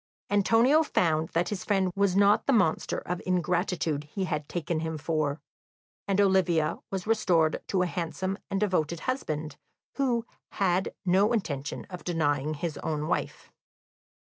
Antonio found that his friend was not the monster of ingratitude he had taken him for; and Olivia was restored to a handsome and devoted husband, who had no intention of denying his own wife.